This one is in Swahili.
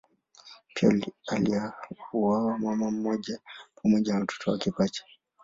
Pia aliuawa mama mmoja pamoja na watoto wake pacha.